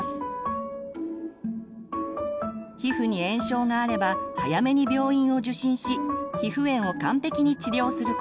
皮膚に炎症があれば早めに病院を受診し皮膚炎を完璧に治療すること。